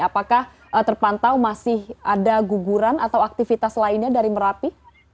apakah terpantau masih ada guguran atau aktivitas lainnya dari merapi